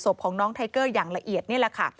ศพของน้องไทเกอร์อย่างละเอียดนี่แหละค่ะ